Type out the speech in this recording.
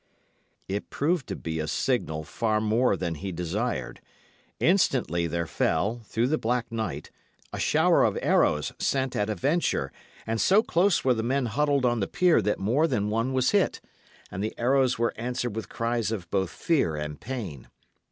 It proved to be a signal far more than he desired. Instantly there fell, through the black night, a shower of arrows sent at a venture; and so close were the men huddled on the pier that more than one was hit, and the arrows were answered with cries of both fear and pain.